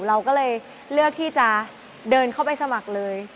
เราก็เลยเลือกที่จะเดินเข้าไปสมัครเลย